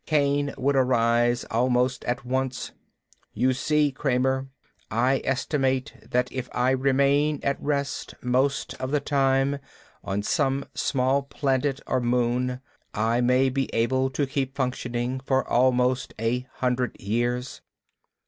Cain would arise almost at once. "You see, Kramer, I estimate that if I remain at rest most of the time, on some small planet or moon, I may be able to keep functioning for almost a hundred years.